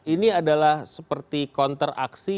ini adalah seperti kontraksi